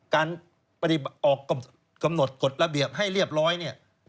การออกกำหนดกฎระเบียบให้เรียบร้อยเนี่ย